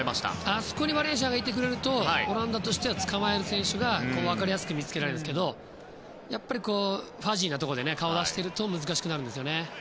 あそこにバレンシアがいてくれるとオランダとしてはつかまえる選手が分かりやすく見つけられますがやっぱりファジーなところで顔を出していると難しくなりますね。